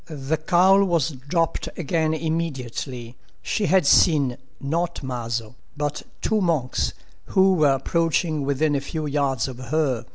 The cowl was dropped again immediately. She had seen, not Maso, but—two monks, who were approaching within a few yards of her.